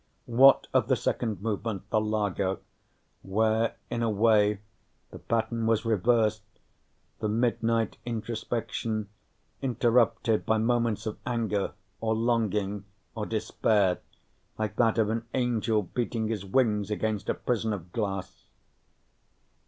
What of the second movement, the Largo, where, in a way, the pattern was reversed, the midnight introspection interrupted by moments of anger, or longing, or despair like that of an angel beating his wings against a prison of glass?